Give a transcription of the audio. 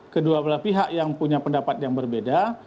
kedua belah pihak yang punya pendapat yang berbeda